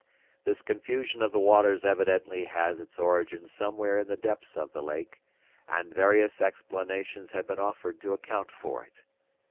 "This confusion of the waters evidently has its origin somewhere in the depths of the lake; and various explanations have been offered to account for it.